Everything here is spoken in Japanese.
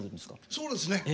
そうですね。